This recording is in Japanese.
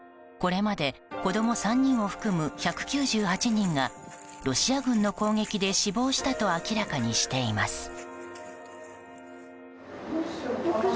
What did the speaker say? これまで子供３人を含む１９８人がロシア軍の攻撃で死亡したと明らかにしています。